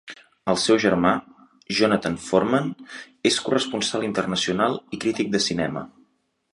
El seu germà, Jonathan Foreman, és corresponsal internacional i crític de cinema.